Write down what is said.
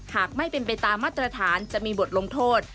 หากไม่เป็นไปตามมาตรฐานจะมีบทลงโทษ